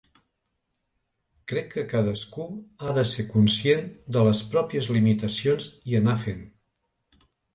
Crec que cadascú ha de ser conscient de les pròpies limitacions i anar fent.